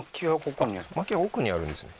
薪は奥にあるんですね